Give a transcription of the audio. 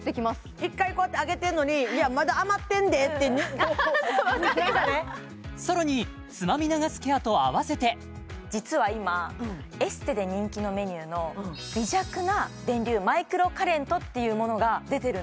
一回こうやって上げてんのにいやまだ余ってんでってなんかねさらにつまみ流すケアと合わせて実は今エステで人気のメニューの微弱な電流マイクロカレントっていうものが出てるんです